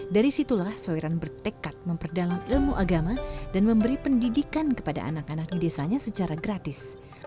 dari situlah soiran bertekad memperdalam ilmu agama dan memberi pendidikan kepada anak anak di desanya secara gratis